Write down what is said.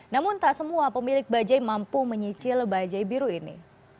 namun tak semua pemilik bajai mampu menyicil bajaj biru ini